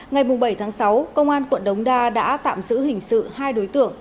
ngày bảy tháng sáu công an quận đống đa đã tạm giữ hình sự hai đối tượng